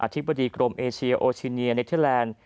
ธิบดีกรมเอเชียโอชิเนียเนเทอร์แลนด์